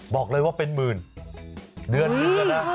บอกเลยว่าเป็นหมื่นเดือนละ๑๐นะ